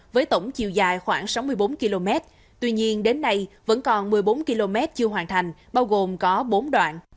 với tổng chiều dài khoảng sáu mươi bốn km tuy nhiên đến nay vẫn còn một mươi bốn km chưa hoàn thành bao gồm có bốn đoạn